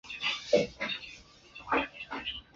色斑角吻沙蚕为角吻沙蚕科角吻沙蚕属的动物。